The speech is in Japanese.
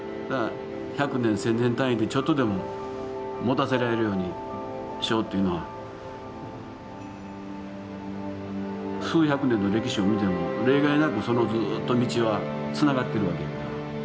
だから百年千年単位でちょっとでももたせられるようにしようというのは数百年の歴史を見ても例外なくそのずっと道はつながってるわけやから。